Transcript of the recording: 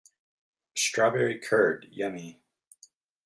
Strawberry curd, yummy!